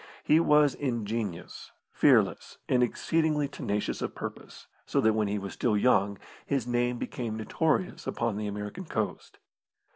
He was ingenious, fearless, and exceedingly tenacious of purpose, so that when he was still young, his name became notorious upon the American coast.